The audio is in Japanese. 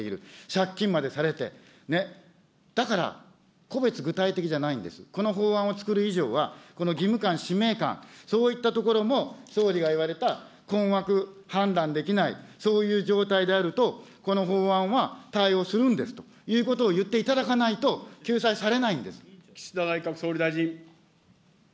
借金までされて。ね、だから、個別具体的じゃないんです、この法律を作る以上は、この義務感、使命感、そういったところも総理が言われた、困惑判断できない、そういう状態であると、この法律は対応するんですということを言っていただかないと、救岸田内閣総理大臣。